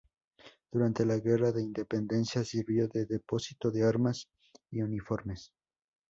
Durante la guerra de independencia sirvió de depósito de armas y uniformes.